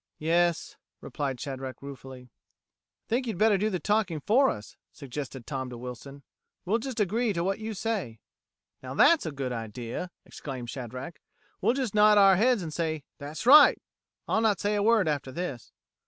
"Yes," replied Shadrack ruefully. "I think you'd better do the talking for us," suggested Tom to Wilson. "We'll just agree to what you say." "Now, that's a good idea!" exclaimed Shadrack. "We'll just nod our heads an' say, 'That's right!' I'll not say a word after this."